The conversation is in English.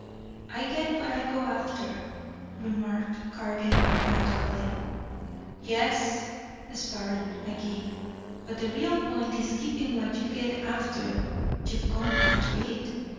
"I get what I go after," remarked Cargan emphatically. "Yes," sparred Magee, "but the real point is keeping what you get after you've gone after it.